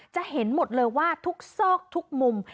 จะเห็นหมดเลยว่าทุกซอกทุกมุม